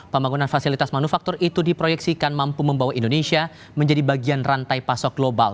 pembangunan fasilitas manufaktur itu diproyeksikan mampu membawa indonesia menjadi bagian rantai pasok global